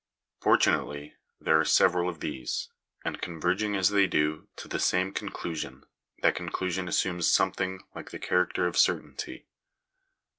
Fortunately there are several of these ; and converging as they do to the same conclu sion, that conclusion assumes something like the character of certainty.